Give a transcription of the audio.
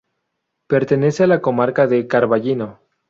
Pertenece a la Comarca de Carballino.